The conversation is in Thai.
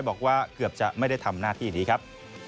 บอกว่าเกือบจะไม่ได้ทำหน้าที่นี้ครับ